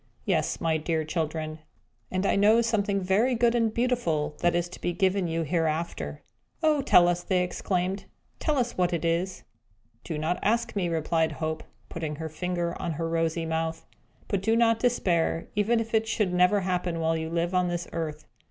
Yes, my dear children, and I know something very good and beautiful that is to be given you hereafter!" "Oh tell us," they exclaimed "tell us what it is!" "Do not ask me," replied Hope, putting her finger on her rosy mouth. "But do not despair, even if it should never happen while you live on this earth.